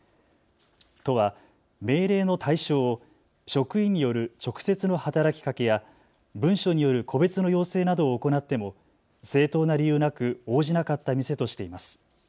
都は命令の対象を職員による直接の働きかけや文書による個別の要請などを行っても正当な理由なく応じなかった店としています。